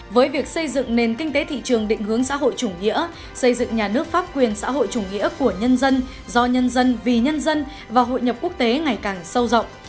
với việc xây dựng nền kinh tế thị trường định hướng xã hội chủ nghĩa xây dựng nhà nước pháp quyền xã hội chủ nghĩa của nhân dân do nhân dân vì nhân dân và hội nhập quốc tế ngày càng sâu rộng